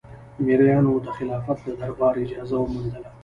مریانو د خلافت له دربار اجازه وموندله.